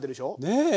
ねえ。